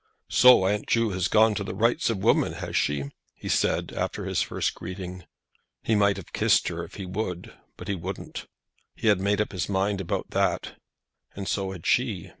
"So aunt Ju has gone to the Rights of Women, has she?" he said, after his first greeting. He might have kissed her if he would, but he didn't. He had made up his mind about that. And so had she.